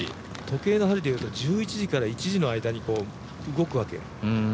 時計の針で言うと１１時から１時の間に動くわけよ。